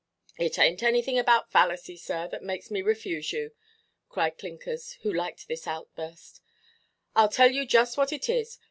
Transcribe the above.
"It ainʼt anything about fallacy, sir, that makes me refuse you," cried Clinkers, who liked this outburst; "Iʼll tell you just what it is.